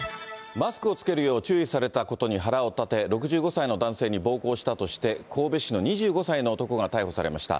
マスクを着けるよう注意されたことに腹を立て、６５歳の男性に暴行したとして、神戸市の２５歳の男が逮捕されました。